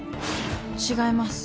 違います。